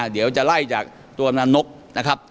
เดี๋ยวจะไล่จากตัวมันนกนะครับ